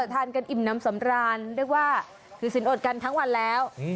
ทานกันอิ่มน้ำสำราญเรียกว่าถือสินอดกันทั้งวันแล้ว